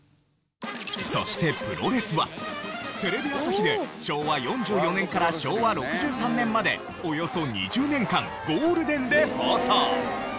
そしてプロレスはテレビ朝日で昭和４４年から昭和６３年までおよそ２０年間ゴールデンで放送。